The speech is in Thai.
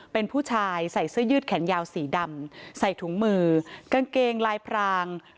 เป็นผู้ชายใส่เสื้อยืดแขนยาวสีดำใส่ถุงมือกางเกงลายพราง